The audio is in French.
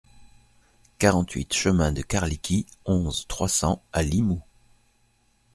quarante-huit chemin de Carliqui, onze, trois cents à Limoux